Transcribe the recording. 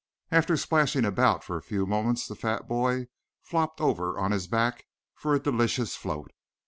After splashing about for a few moments the fat boy flopped over on his back for a delicious float.